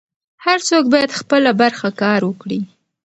هر څوک بايد خپله برخه کار وکړي.